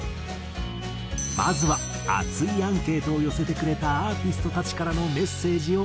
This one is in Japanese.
まずは熱いアンケートを寄せてくれたアーティストたちからのメッセージを４人へ。